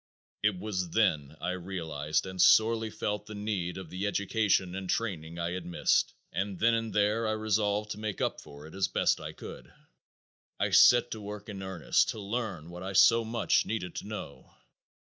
It was then I realized and sorely felt the need of the education and training I had missed and then and there I resolved to make up for it as best I could. I set to work in earnest to learn what I so much needed to know.